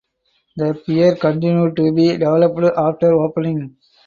The pier continued to be developed after opening.